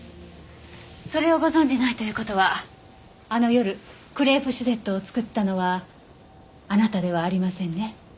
それをご存じないという事はあの夜クレープシュゼットを作ったのはあなたではありませんね。